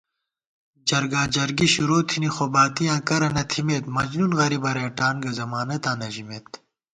جرگا جرگی شروع تھنی، خو باتِیاں کرہ نہ تھِمېت * مجنُون غریبہ رېٹان گہ، ضمانَتاں نہ ژِمېت